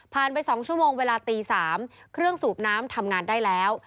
ไป๒ชั่วโมงเวลาตี๓เครื่องสูบน้ำทำงานได้แล้ว